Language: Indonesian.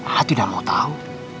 a a tidak mau tahu